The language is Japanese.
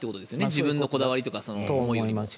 自分のこだわりよりも。